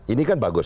ini kan bagus